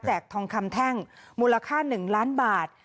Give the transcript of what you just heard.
ทองคำแท่งมูลค่า๑ล้านบาท